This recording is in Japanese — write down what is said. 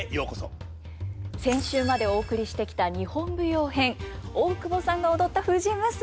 先週までお送りしてきた日本舞踊編大久保さんが踊った「藤娘」